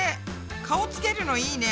顔つけるのいいね。